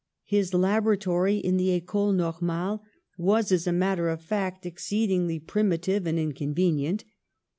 His laboratory in the Ecole Normale was, as a matter of fact, ex ceedingly primitive and inconvenient.